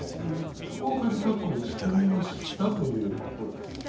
そこをかぎ括弧にしてみましたということです。